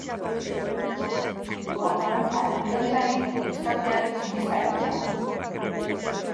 Ortzantza entzuten delarik istantean tximista heldu da.